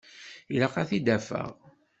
Ilaq ad t-id-afeɣ.